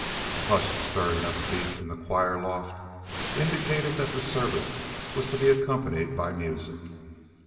A hushed stirring of feet in the choir loft indicated that the service was to be accompanied by music.